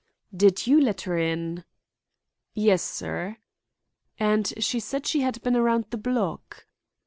"Did you let her in?" "Yes, sir." "And she said she had been around the block?"